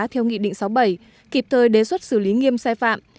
theo nghị định sáu mươi bảy kịp thời đề xuất xử lý nghiêm sai phạm